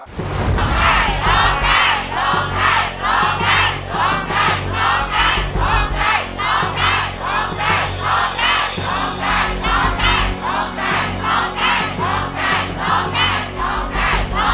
ร้องได้ร้องได้ร้องได้